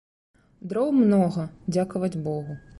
Дроў многа, дзякаваць богу.